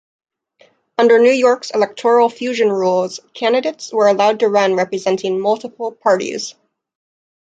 Under New York's electoral fusion rules, candidates were allowed to run representing multiple parties.